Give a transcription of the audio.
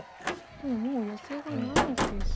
でももうヨセがないですね。